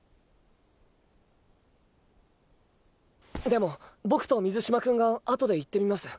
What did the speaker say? でも僕と水嶋君が後で行ってみます。